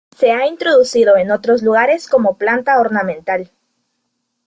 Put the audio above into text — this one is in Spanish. Se ha introducido en otros lugares como planta ornamental.